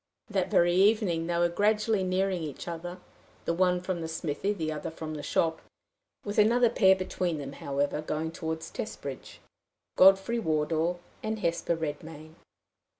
That very evening they were gradually nearing each other the one from the smithy, the other from the shop with another pair between them, however, going toward Testbridge Godfrey Wardour and Hesper Redmain.